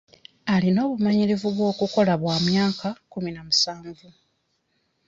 Alina obumanyirivu bw'okukola bwa myaka kkumi na musanvu.